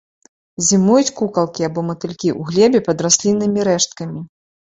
Зімуюць кукалкі або матылькі ў глебе пад расліннымі рэшткамі.